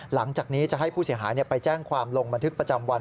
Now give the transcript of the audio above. หลังจากนี้จะให้ผู้เสียหายไปแจ้งความลงบันทึกประจำวัน